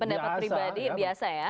pendapat pribadi biasa ya